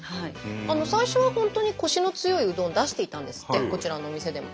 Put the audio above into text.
最初は本当にコシの強いうどんを出していたんですってこちらのお店でも。